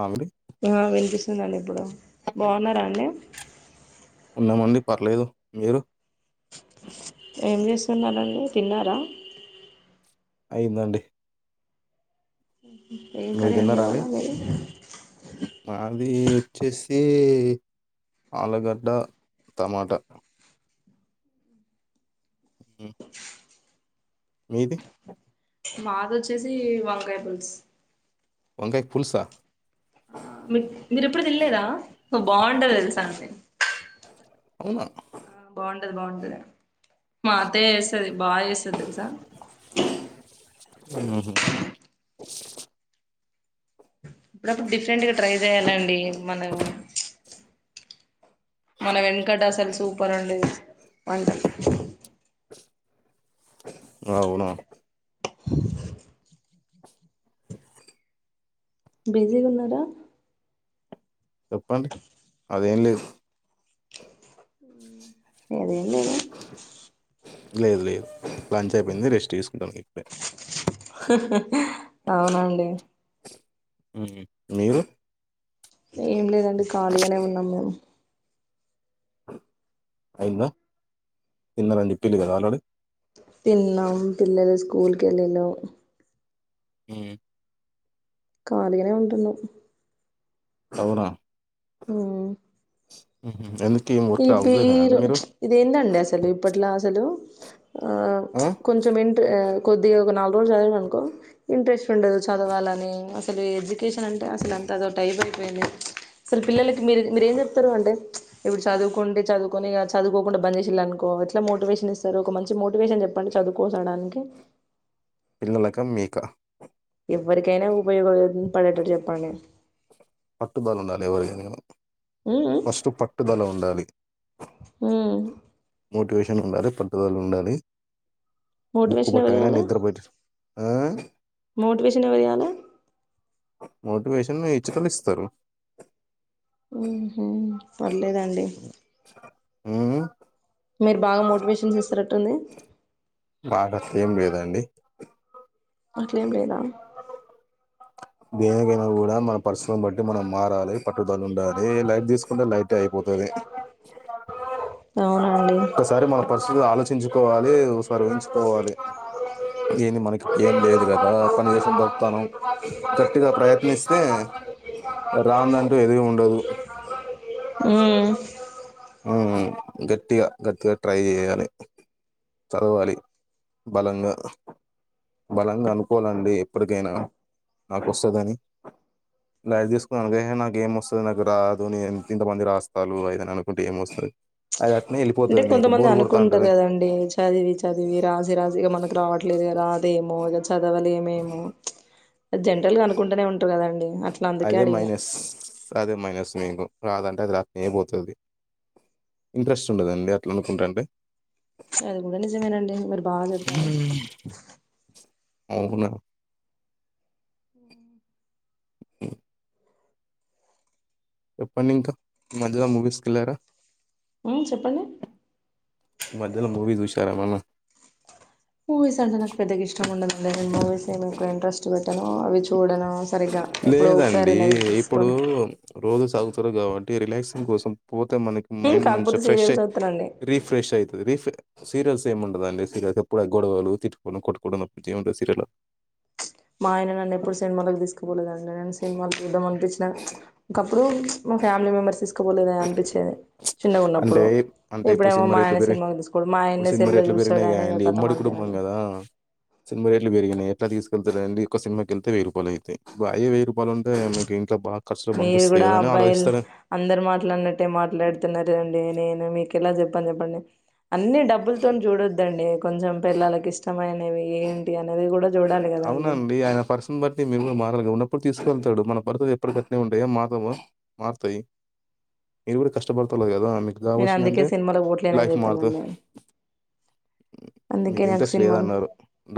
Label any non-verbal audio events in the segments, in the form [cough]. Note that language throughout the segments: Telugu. అ అండి ఆ వినిపిస్తుందండి ఇప్పుడు బాగున్నారా అండి ఉన్నామండి పర్లేదు మీరు ఏం చేస్తున్నారండి తిన్నారా అయిందండి ఏం మీరు కర్రీ అండి తిన్నారా ఇవాళ మీధి మాది వచ్చేసి ఆలుగడ్డ టమాట అ మీది మాది వచ్చేసి వంకాయ పులూసు వంకయ ఫూల్సా ఆ మీరు ఎప్పుడు తినలేదా బాగుంటది తెలుసా అండి అవునా ఆ బాగుంటది బాగుంటది మా అత్తయ్య చేస్తుంది బాగా చేస్తది తెలుసా ఉహు ఆప్పుడప్పుడు డిఫరెంట్గా ట్రై చేయాలండి మనం మన వెనుకట అసలు సూపర్ అండి వంట అవునా బిజిగున్నరా చెప్పండి అదేం లేదు [unintelligible] లేదు లేదు లంచ్ అయిపోయింది రెస్ట్ ఈసుకుంటాంది హు హు అవునండి ఉహు మీరు ఏం లేదండి ఖాళిగనే ఉన్నాం మేము అయింద తిన్నరని చెప్పిల్లు గదా ఆల్రెడీ తిన్నాం పిల్లలు స్కూల్ కెళ్ళినం ఊ కాలిగనే ఉంటున్న అవునా ఊహ్ ఉహు ఏంది ఈ పీరు ఇదేందండి అసలు ఇప్పట్ల అసలు ఆ ఆ కొంచెం ఎంట్ అ కొద్దిగా ఒక నాలు రోజుల్ చదివిన అనుకో ఇంట్రెస్ట్ ఉండదు చదవాలని అసలు ఎడ్జుక్ ఏషన్ అంటే అసలు అంత అదో టైబ్ అయిపోయింది, అసల్ పిల్లలకి మీరు మీరు ఏం జెప్తరు అంటే. ఇప్పుడు చదువుకుంటే చదువుకొని ఇగ చదువుకోకుండ బంజేసిల్లనుకో ఎట్ల మోటివేషన్ ఇస్తరు ఒక మన్ చి మోటివేషన్ చెప్పండి చదువుకోసడానికి పిల్లలక మీకా ఎవ్వరికైనా ఉపయోగం పడేటట్టు చెప్పండి పట్టుదల ఉండాలి ఎవరికైన ఇన ఫస్ట్ పట్టుదల ఉండాలి ఊ మోటివేషన్ ఉండాలి పట్టుదల ఉండాలి బుక్ మోటివేషన్ ఎవరు పట్టగానే ఇయ్యాలే నిద్రపోయ్ట్ ఆ మోటివేషన్ ఎవరియాలే మోటివేషన్ ఇచ్చేటోలు ఇస్తరు ఊహు పర్లేదండి ఊహు మీరు బాగా మోటివేషన్స్ ఇస్తుటట్టుంది పాట ఏం లేదండి అట్లేం లేద్ దేనికైనా గూడా మన పరిశ్రం బట్టి మనం మారాలే పట్టుదల ఉండా ఏ లైట్ దీసుకుంటే లైటే అయిపోతది అవునండి ఒక్కసారి మన పరిస్థితి ఆలోచించుకోవాలి ఓసారి ఊహించుకోవాలి ఏంది మనకి ఏం లేదు గదా పని చేసైన్ బతాను గట్టిగా ప్రయత్నిస్తే రాందంటూ ఏది ఉండదు ఊ ఆహా గట్టిగ గట్టిగ ట్రై చెయ్యాలే చదవాలి బలంగా బలంగా అనుకోవాలండి ఎప్పటికైనా నాకు ఒస్తదని లై దీసుకో అదే నాకు ఏం ఒస్తది నాకు రాదు నేన్ ఇంతమంది రాస్తాలు అయితే నేను [unintelligible] అంటే మీకు కొంతమంది బోర్ కొడతా అనుకుంటరు ఉంటుంది కదండి చదివి చదివి, రాసి రాసి ఇగ మనకు రావట్లేదు. రేదేమో ఇగ చదవలేమేమో జన్రల్ గా అనుకుంటనే ఉన్ ట్టు గదండి అట్ల అందుకే అడిగిన ఏమొ రాదంటే అది రా నేబోతది ఇంట్రెస్ట్ ఉండదండి అట్లా అనుకుంటాంటే. అది గూడా నిజమే నండి మీరు బాగ చెప్పారు అవునా [inaudible] చెప్పండి ఇంకా మధ్యలో మూవీస్కెళ్ళరా ఉమ్ చెప్పండి ఈ మధ్యలో మూవీ చూశారామెన్న మూవీస్ అంటే నాకు పెద్దగా ఇష్టం ఉండదండి నేను మూవీస్ నేను ఇంట్రెస్ట్ పెట్టాను అవి చూడను సరిగ్ లేదండి ఇప్పుడు రోజు సాదువుతారు కాబట్టి రిలాక్సింగ్ కోసం పోతే మనకి హ్మ్ మైండ్ మంచిగా కాకపోతే ఫ్రెష్ సీరియల్స్ అయి చూస్తానండి రిఫ్ తది రీఫె సీరియల్స్ ఏమి ఉండదండి సీరియల్స్ ఎప్పుడు గొడవలు తిట్కోను కొట్టుకోవడం దప్పితే ఏముంటది సీరియలో మా ఆయన నన్ను ఎప్పుడు సినిమాలకి దీసుకుపోలేదండి నేను సినిమాలు జూద్దాం అనిపించిన ఇక్ ప్పుడు మా ఫ్యామిలీ మెంబర్స్ తీసుకోపోలేదని అనిపిచ్చేదె చిన్నగా అంటే ఉన్నప్పుడు అంటే ఇప్పుడు ఇప్పుడేమో సినిమా మా రేట్లు ఆయన పెరిగి సినిమాకి దీసుకోడు మా ఆయనే సెల్ చూస్తాడునేక కథ అంతే గదా సినిమా రేట్లు బెరిగినయి ఎట్లా తీసుకెళ్తారండి ఒక సినిమాకి ఎళ్తే వెయ్యిూపాయలు అయితాయ్ అయ్యె వెయ్యి రూపాయలుంటే మీకి ఇంట్లో బా మీరు గుడా అబ్బాయిల్ అం అందరు మాట్లాడినట్టే మాట్లాడుతున్నారు అండి నేను మీకెలా జెప్పను జప్పండి అన్ని డబ్బులతోన్ చూడొద్దండి కొంచెం పెల్లాలకు ఇష్టమైనవి ఏంటి అన్ అవునండి ఆయన పర్సన్ బట్టి మీరు గూడా మారలుగా ఉన్న ప్పుడు తీసుకువెళ్తాడు మన [unintelligible] ఎప్పుడు గట్నే ఉండయా మారవ మారుతాయి మీరు గుడా కష్టపడతలే గదా మీకు జాబ్ నేను అందుకే వచ్చిందంటే సినిమాలకు పోట్లేనని లైఫ్ మారుత చెప్పానండి అందుకే మీకు నాకు ఇంట్రెస్ట్ సినిమాలు లేదన్నారు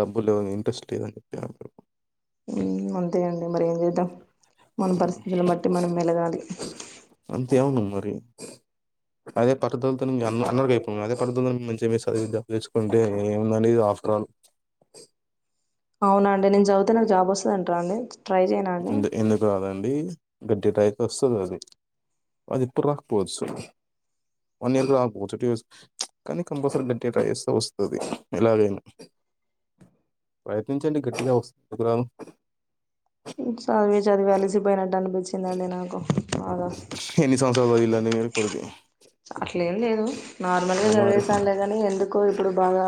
డబ్బులు ఇంట్రెస్ట్ లేదని [unintelligible] ఉమ్ అంతే అండి మరి ఏం జేద్దాం మన పరిస్థితులను బట్టి మనం మెలగాలి అంతేమన్న మరి అదే పర్దలతోని మీ అన్న అన్నదేపుం అదే పర్దలతో మంచిగ వేస్ అదే డబ్బు తెచ్చుకుంటే ఏముందండి ఇది ఆఫ్ట్రాల్ అవునండి నేను చదివితే నాకు జాబ్ వస్తది అంటార అండి ట్రై చేయనా అండి ఎందు ఎందుకు రాదండి గడ [unintelligible] వస్తదది అది ఇప్పుడు రాకపోవచ్చు వన్ ఇయర్ కు రాక పోవచ్చు టూ యస్ కానీ కంపల్సరీ గట్టిగ ట్రై చేస్తే వస్తది ఎలాగైనా ప్రయత్నించండి గట్టిగా వస్తు ఎందుకురాను ఇంగ్ చదివి చదివి అలిసిపోయినట్టు అనిపిచ్చిందండి నాకు బాగా ఎన్ని సంవత్సరాల వీలని కొడుగి అట్లే ఏం లేదు నార్మల్ గా మరి చదివేసానులేగాని ఎందు కో ఇప్పుడు బాగా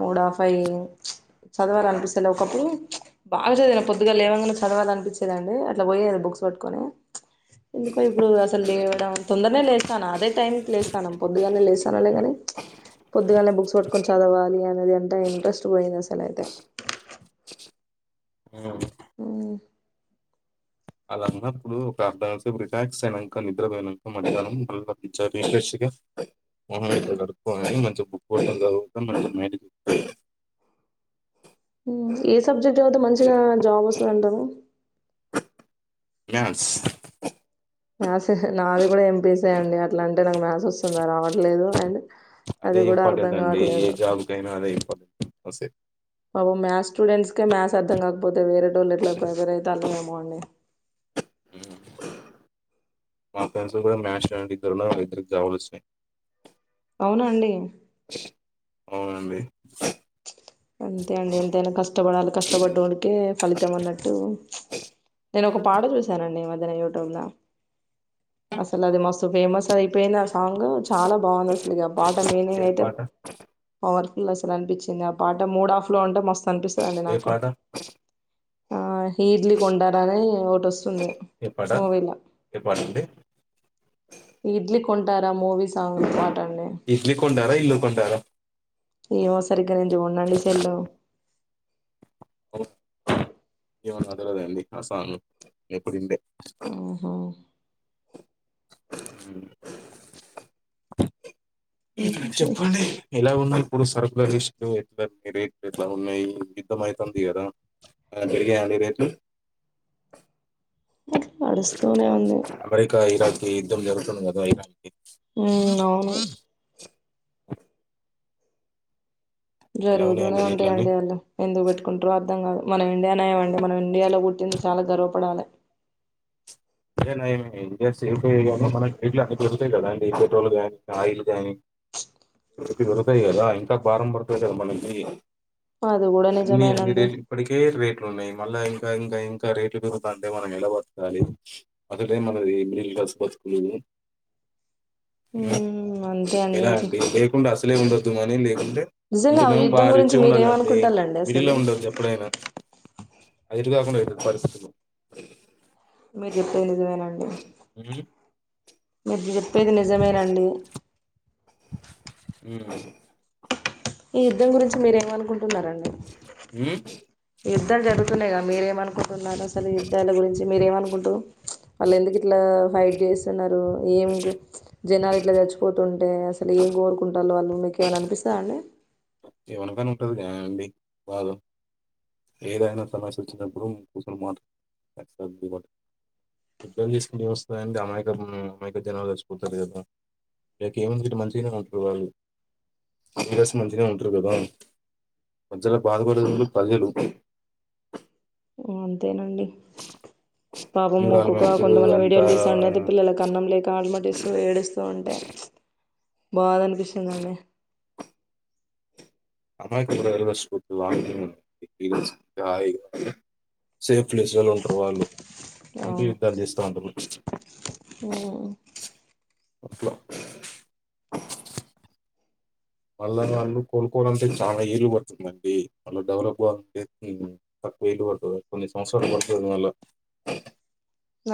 మూడ ఆఫైవు చదవాల అనిపిస్తలే ఒకప్పుడు బాగాచదివినా పొద్దుగల లేవంగానే చదవాల అనిపిచ్చేదండి అట్లా బొయేది బుక్స్ వట్టుకొని ఎందుకో ఇప్పుడు అసలు లేవడం తొందరనే లేస్ అదే టైమ్ కి లేస్తన్నం పొద్దుగల్నే లేస్తన్నలేగని పొద్దుగలే బుక్స్ పట్టుకొని చదవాలి అనేది అంతా ఇంట్రెస్ట్ బోయింది అసలు అయితే ఊ ఆ అలా అన్నప్పుడు ఒక అర్దగంటసేపం రిలాక్స్ అయినంక నిద్రబోయినాంక మద్యానం [unintelligible] మోహం అట్లా గడుక్కొని మంచిగా బుక్ వట్టుకొని చదువుతే [inaudible] ఊ ఏ సబ్జెక్ట్ జతివితే మంచిగా జాబొస్తది అంటరూ మ్యాస్ మ్యాథ్స్ నాది గూడా ఎంపీసిఏ అండి అట్లా అంటే నాకు మ్యాథ్స్ వస్తుందా రావట్లేదు అండ్ అదే అది గూడా ఇంపార్టెంట్ అర్ధం గావట్లేదు వసే బాబు మ్యా్స్ స్టూడెంట్స్కే మ్యాథస్ అర్థం కాకపోతే వేరే డోలెట్ల ఎవరైతే అళ్మేమో అండి ఇ మాపుంంత కూడా మ్యాచ్ అనికి ధరణ వ్యతిరేక్త వలు న అవునండి అ మీ అంతే అండి ఎంతైనా కష్టపడాలి కష్టపడ వాడికే ఫలితం అన్నట్టు నేను ఒక పాట చూశానండి మధ్యన యూట్యూబ్ లో అసలు అది మస్తు ఫేమస్ అది అయిపోయిన ఆ సాంగ్ చాలా బాగుంది అసలు ఇక పాట మీనింగ్ ఏ అయితే పాట? పవర్ అసలు అనిపించింది ఆ పాట మూడు ఆఫ్ లో ఉంటే మొస్తుం అనిపిస్తుందండి ఏ నాకు పాట? ఆ ఈడ్లీ కొండార అని ఒటోస్తుంది ఏ పాట? మూవీలో ఏ పాట అండి? ఇడ్లీ కొంటారా మూవీ సాంగ్ పటండి కొంటార ఈమో సరిగానే దు ఉండండి సెల్లా మాత్రద అండి కసను ఎ ఎప్పుడిే [unintelligible] ఉహు అ [inaudible] ఇంకా చెప్పండి ఎలా ఉన్నారు ఇప్పుడు సరకుల లిస్ట్ ఒ ఎట్ల రేట్లు ఎట్లా ఉన్నాయి యుద్దమయీతందా ఇయళ ఆ బిడిగ అనివ [unintelligible] అట్లా నడుస్తూనే ఉంది అమెరికా ఈరోజ్ కి యుద్ధం జరుగుతుందిగదా ఇగ హ్మ్మ్ అవును ఓ [inaudible] జరుగుతూనే ఉన్నాయండి రేట్లన్నీ? ఉంటాయంండి ఆళ్ళు ఎందుకు పెట్టుకుంటారుో అర్థం కాదు మనం ఇండియానే ఏమండి మనం ఇండియాలో పుట్టింది చాలా గర్వపడాలి [inaudible] అదేనైయం ఇండియా సేఫ్ అయ్య కాగా మన గెడ్లు అన్ని పెరుతాయి కదండి ఈ పెట్రోల్ గానీ ఆయిల్ కాని ఇ దొరుకై కదా ఇంకా భారం పడుతుంది కదా మనకి అది కూడా ని నిజమేనండి అవివేల్ ఇప్పటికే రెప్ ఉన్నాయి మళ్ళా ఇంకా ఇంకా ఇంకా రేట్లు పెగుతంటే మనం ఎలా బతకాలి అదె టైం మనది మిడిల్ క్లాస్ బతుకులు మ్ ఉమ్ అంతే ఎలా ఇట్లా అండి లేకుండ అసలే ఉండదు గాని మీరంటె నిజంగా ఆ ఇంకనేేమో యుద్ధం బాగా గురించి రిచ్గా ఉండాలండి మీరేమనుకుంటాలండి మీడిల్లో అసలు ఉండదు ఎప్పుడైనా అటు ఇటు కాకుండా అయిపోతది పరిస్థితి మీరు చెప్పేది నిజమేనండి ఉమ్, మీరు చెప్పేది నిజమేనండి [inaudible] మ్ ఈ యుద్ధం గురించి మీరేమ్ అనుకుం ఉన్నారండి ఉమ్, యుద్ధాలు జరుగుతున్నాయి కదా మీరేమనుకుంటున్నారు అసలు యుద్ధాల గురించి మీరేమనుకుంటు వాళ్ళు ఎందుకు ఇట్లా ఫైట్ చేస్తున్నారు ఏం గు ంచ్ జనాలు ఇట్లా చచ్చిపోతుంటే అసలు ఏం కోరుకుంటాళ్లు వాళ్ళు మీకేమైనా అనిపిస్తాందా వనకనే ఉంటది బాగా ఏదైనా సమస్య వచ్చినప్పుడు కూర్చొని మాట్ సర్దు ఎస్ తీసు వస్తాండి అమాయికం అమాయిక జనాలు వచ్చిపోతారు కదా ఎకి ఏముంది మంచిగానే ఉంటారు వాళ్ళు ఈరస్ మంచిగా ఉంటారు కదా ప్రజ బాధపడుతు అదే రూపం మ్ అంతేనండి పాపం న్యూరాల మొక్కుకొ మనుషులు కొంతమంది అంతా విడియోలు చూస్తే పిల్లకి అన్నం లేక ఆలమటిస్తూ ఏడిస్తూ ఉంటే ంచ్ బాద అనిపిస్తుందండి అస్యి [unintelligible] సేఫ్ ప్లేస్ లోనే ఉంటరు. వాళ్ళు మొండి, అవును యుద్ధాలు చేస్తావుంటారు. ఉమ్. అట్లా మళ్ళ వాళ్ళు కోలుకోవాలంటే, చాలా ఏళ్లు పడుతుందండి. మళ్ళ డెవలప్ కావాలంటే మ్ వేయిట్ పడ్తది, కొన్ని సంసవత్సరాల పరిస్థితది మళ్ళ.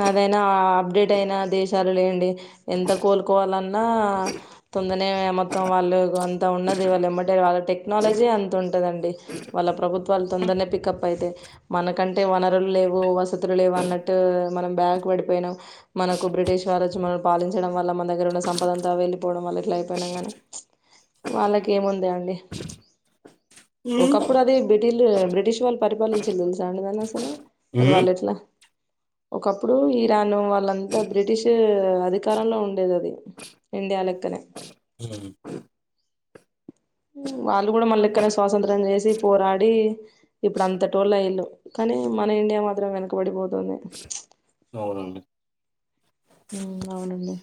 అదైనా అప్డేట్ అయినా, దేశాలు లేవండి ఎంత కోలుకోవాలన్. అ తొందర్నే మొత్తం వాళ్ళు అంత ఉన్నది. వాళ్లేమ్మంటే వాళ్ళు. టెక్నాలజీ అంత ఉంటదండి. వాళ్ళ ప్రభుత్వాలు తొందరనే పికప్ అయితయి. మనకంటే వనరులు లేవు, వసతులు లేవు అన్నట్టు. మనం బ్యాక్ పడిపోయినం, మనకు బ్రిటిష్ వాళ్ళ వచ్చి, మనం పాలించడం వల్ల, మన దగ్గర ఉన్న సంపదంతా వెళ్ళలిపోవడం వల్ల. లేక ఇట్ల అయిపోయినాం, గానీ వాళ్ళకి ఏముంది. అండి ఒకప్పుడు, అది బ్రిటిలు బ్రిటిష్ వాళ్ళు పరిపాలించింది. ఉందా అండి అసలు. హ్మ్. వాళ్ళు ఎట్లా ఒకప్పుడు, ఇరాను వాళ్ళంతా, బ్రిటిష్ అధికారంలో ఉండేది. అది ఇండియా లెక్కనే మ్ ఉ వాళ్ళు గూడా, మనళ్ళెక్కనే స్వాతంత్రం చేసి, పోరాడి ఇప్పుడు, అంత టోళ్ళు అయిళ్ళు కానీ మన ఇండియా మాత్రం, వెనక పడిపోతున్నది. అవునండి! ఉమ్, అవునండి!